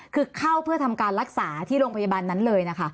คือเข้าเพื่อทำการรักษาที่โรงพยาบาลนั้นเลยนะคะ